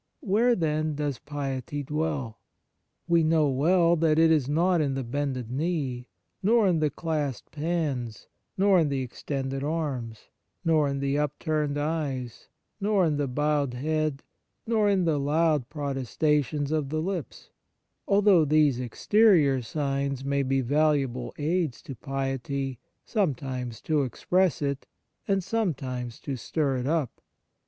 Where, then, does piety dwell ? We know well that it is not in the bended knee, nor in the clasped hands, nor in the extended arms, nor in the upturned eyes, nor in the bowed head, nor in the loud protesta tions of the lips, although these exterior signs may be valuable aids to piety, sometimes to express it, and sometimes to stir it up.